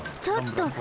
ちょっと！